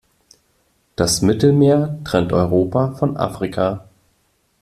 Das Mittelmeer trennt Europa von Afrika.